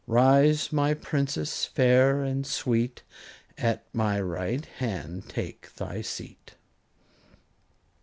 Rise, my Princess, fair and sweet, At my right hand take thy seat.